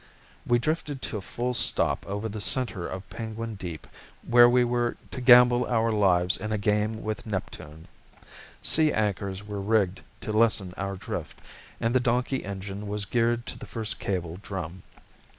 We drifted to a full stop over the center of Penguin Deep where we were to gamble our lives in a game with Neptune. Sea anchors were rigged to lessen our drift and the donkey engine was geared to the first cable drum.